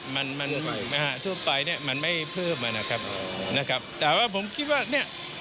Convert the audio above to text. มันมันใหม่ไหมฮะทั่วไปเนี่ยมันไม่เพิ่มอ่ะนะครับนะครับแต่ว่าผมคิดว่าเนี่ย